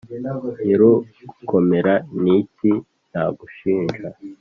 nyirugukomera ni iki nagushinja?